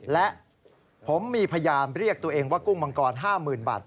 และผมมีพยายามเรียกตัวเองว่ากุ้งมังกร๕๐๐๐บาท